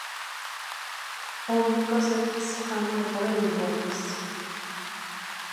Only 'cause it's how my brain works.